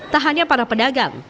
tak hanya para pedagang